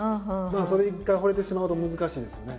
それに一回ほれてしまうと難しいんですよね。